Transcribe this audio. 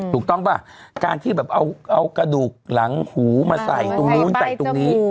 ถูกต้องป่ะการที่แบบเอากระดูกหลังหูมาใส่ตรงนู้นใส่ตรงนี้